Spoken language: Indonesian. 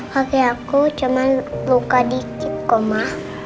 kakek aku cuma luka dikit koma